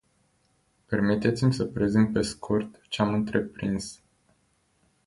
Permiteți-mi să prezint pe scurt ce am întreprins.